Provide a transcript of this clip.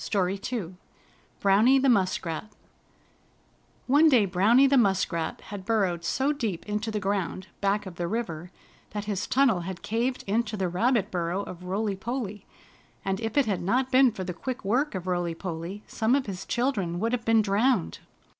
STORY II BROWNY THE MUSKRAT One day Browny the Muskrat had burrowed so deep into the ground back of the river that his tunnel had caved into the rabbit burrow of Rolly Polly, and if it had not been for the quick work of Rolly Polly some of his children would have been drowned.